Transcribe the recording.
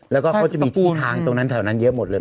แล้วก็เค้าจะมีที่ทางตรงนั้นเยอะหมดเลย